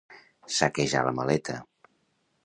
Saquejar la maleta.